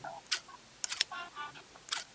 د نامردو به پرسر د کشمیر شال وي